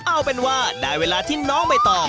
เอาเป็นว่าได้เวลาที่น้องใบตอง